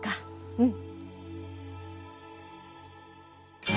うん。